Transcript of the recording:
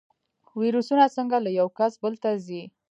ویروسونه څنګه له یو کس بل ته ځي؟